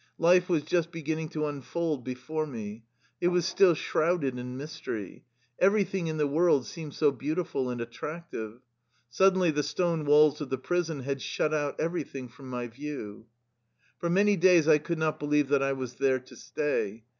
Life was just beginning to unfold before me. It was still shrouded in mystery. Everything in the world seemed so beautiful and attractive. Suddenly the stone walls of the prison had shut out every thing from my view. For many days I could not believe that I was there to stay.